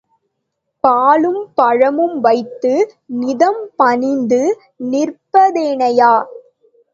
பாலும் பழமும் வைத்து நிதம் பணிந்து நிற்பதேனையா?